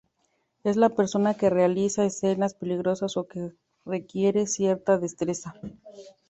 Es la persona que realiza escenas peligrosas o que requieren cierta destreza.